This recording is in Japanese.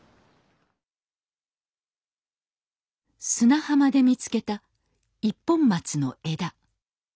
砂浜で見つけた一本松の枝。